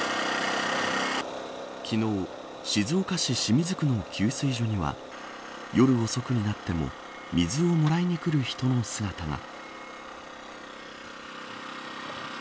昨日、静岡市清水区の給水所には夜遅くになっても水をもらいに来る人の姿が。